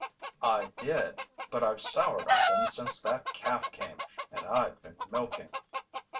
"I did. But I've soured on them since that calf came and I've been milking."